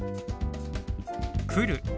「来る」。